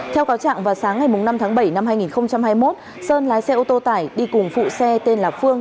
theo cáo trạng vào sáng ngày năm tháng bảy năm hai nghìn hai mươi một sơn lái xe ô tô tải đi cùng phụ xe tên là phương